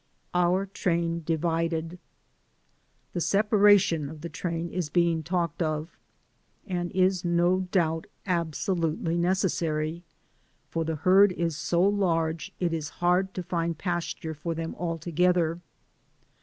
• OUR TRAIN DIVIDED. The separation of the train is being talked of, and is no doubt absolutely necessary, for the herd is so large it is hard to find pasture for them all together.